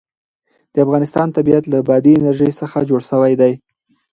د افغانستان طبیعت له بادي انرژي څخه جوړ شوی دی.